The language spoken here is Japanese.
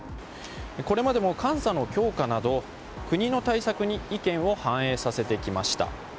これまでも監査の強化など国の対策に意見を反映させてきました。